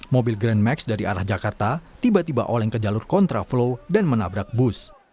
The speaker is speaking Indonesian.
mobil grand max dari arah jakarta tiba tiba oleng ke jalur kontra flow dan menabrak bus